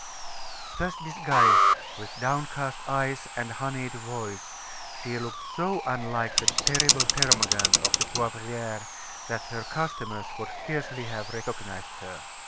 Thus disguised, with downcast eyes and honeyed voice, she looked so unlike the terrible termagant of the Poivriere, that her customers would scarcely have recognized her.